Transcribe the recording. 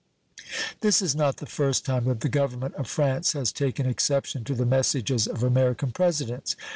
This is not the first time that the Government of France has taken exception to the messages of American Presidents.